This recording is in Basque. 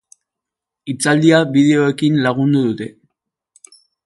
Hitzaldia bideoekin lagundu dute.